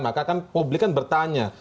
maka kan publik kan bertanya